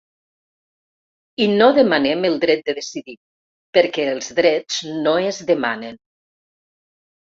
I no demanem el dret de decidir perquè els drets no es demanen.